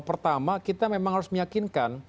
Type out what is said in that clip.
pertama kita memang harus meyakinkan